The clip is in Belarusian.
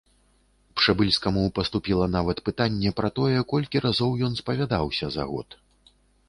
Пшэбыльскаму паступіла нават пытанне пра тое, колькі разоў ён спавядаўся за год.